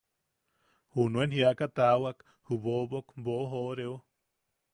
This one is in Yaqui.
Junuen jiaka taawak ju bobok boʼojooreo.